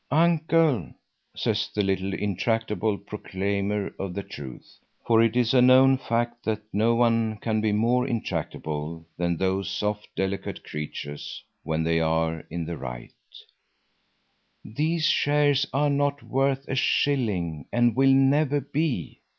"Uncle," says the little intractable proclaimer of the truth, for it is a known fact that no one can be more intractable than those soft, delicate creature when they are in the right, "these shares are not worth a shilling and will never be.